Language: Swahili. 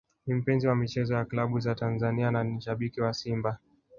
Ni mpenzi wa michezo ya klabu za Tanzania na ni shabiki wa Simba